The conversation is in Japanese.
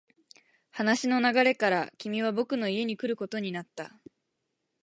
話の流れから、君は僕の家に来ることになった。